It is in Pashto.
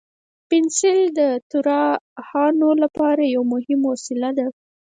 پنسل د طراحانو لپاره یو مهم وسیله ده.